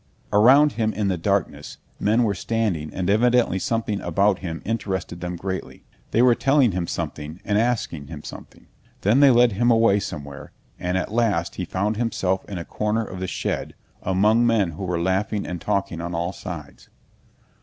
Around him in the darkness men were standing and evidently something about him interested them greatly. They were telling him something and asking him something. Then they led him away somewhere, and at last he found himself in a corner of the shed among men who were laughing and talking on all sides.